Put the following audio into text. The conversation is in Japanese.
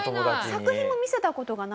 作品も見せた事がない？